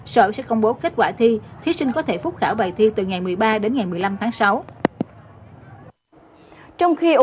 sở sẽ công bố kết quả thi